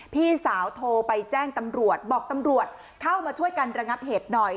พี่สาวโทรไปแจ้งตำรวจบอกตำรวจเข้ามาช่วยกันระงับเหตุหน่อย